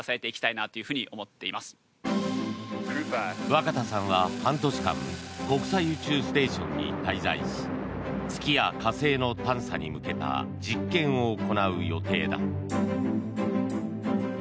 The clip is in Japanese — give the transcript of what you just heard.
若田さんは半年間国際宇宙ステーションに滞在し月や火星の探査に向けた実験を行う予定だ。